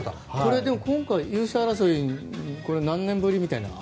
今回、優勝争い何年ぶりみたいなの。